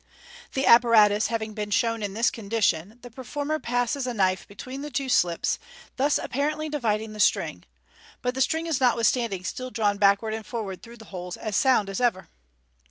The apparatus having been shown in this condition, the performer passes a knife between the two slips, thus apparently dividing the string 5 but the string is notwithstanding still drawn backward and forwards through the holes, as sound as ever.